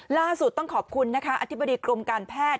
ล่าสุดต้องขอบคุณนะคะอธิบดีกรมการแพทย์